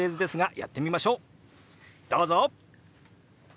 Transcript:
どうぞ！